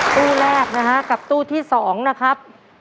ตู้แรกนะครับกับตู้ที่สองนะครับ